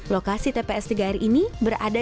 lokasi tps tiga r ini berada